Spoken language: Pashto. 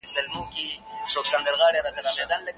د توکو کیفیت تر کمیت ډیر ارزښت لري.